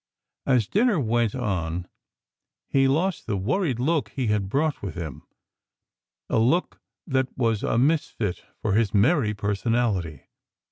As dinner went on he lost the worried look he had brought with him, a look that was a misfit for his merry personality.